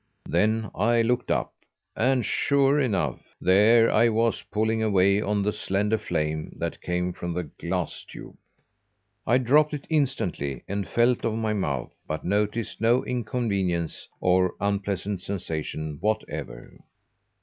Then I looked up, and, sure enough, there I was pulling away at the slender flame that came from the glass tube. "I dropped it instantly, and felt of my mouth, but noticed no inconvenience or unpleasant sensation whatever.